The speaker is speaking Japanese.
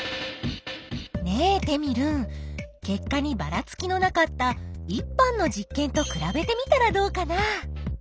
ねえテミルン結果にばらつきのなかった１班の実験とくらべてみたらどうかな？